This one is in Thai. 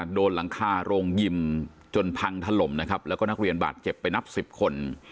โดนหลังคาโรงยิมจนพังถล่มนะครับแล้วก็นักเรียนบาดเจ็บไปนับสิบคน